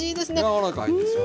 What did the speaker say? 柔らかいんですよ。